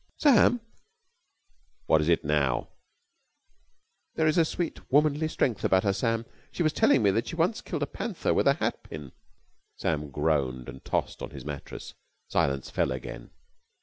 "Sam!" "What is it now?" "There is a sweet womanly strength about her, Sam. She was telling me she once killed a panther with a hat pin." Sam groaned and tossed on his mattress. Silence fell again.